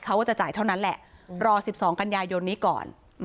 เขาก็จะจ่ายเท่านั้นแหละรอ๑๒กันยายนนี้ก่อน